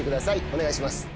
お願いします。